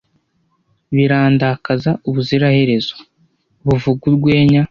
Birandakaza ubuziraherezo, buvuga urwenya,